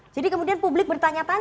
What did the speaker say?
jadi kemudian publik bertanya tanya